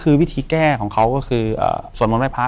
อยู่ที่แม่ศรีวิรัยิลครับ